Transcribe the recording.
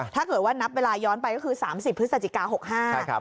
ถ้าเกิดว่านับเวลาย้อนไปก็คือ๓๐พฤศจิกา๖๕